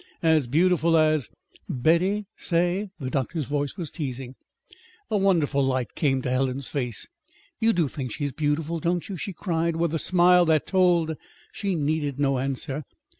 "As beautiful as Betty, say?" The doctor's voice was teasing. A wonderful light came to Helen's face. "You do think she's beautiful, don't you?" she cried, with a smile that told she needed no answer.